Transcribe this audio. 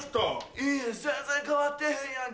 いや全然変わってへんやんけ！